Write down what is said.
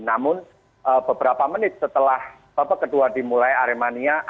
namun beberapa menit setelah babak kedua dimulai aremania